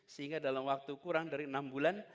sehingga dalam waktu kurang dari enam bulan